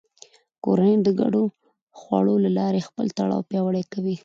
کورنۍ د ګډو خواړو له لارې خپل تړاو پیاوړی کوي